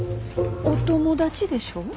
お友達でしょ？